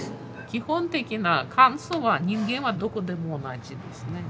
基本的な感想は人間はどこでも同じですね。